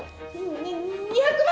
２２００万